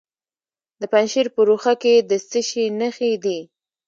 د پنجشیر په روخه کې د څه شي نښې دي؟